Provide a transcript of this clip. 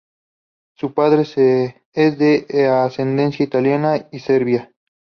Su padre es de ascendencia italiana y serbia.